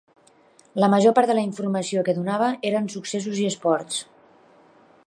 La major part de la informació que donava eren successos i esports.